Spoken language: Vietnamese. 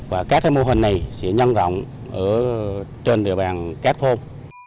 và các mô hình này sẽ nhân rộng trên địa bàn các thôn